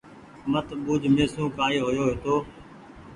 مت ٻوُج مهسون ڪآئي هويو هيتو